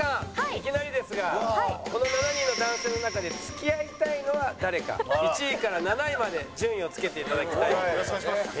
いきなりですがこの７人の男性の中で付き合いたいのは誰か１位から７位まで順位をつけて頂きたいと思います。